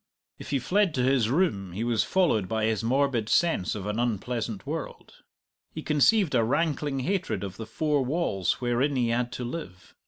If he fled to his room, he was followed by his morbid sense of an unpleasant world. He conceived a rankling hatred of the four walls wherein he had to live.